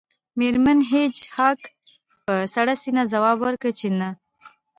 میرمن هیج هاګ په سړه سینه ځواب ورکړ چې نه